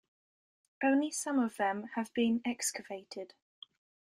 Only some of them have been excavated.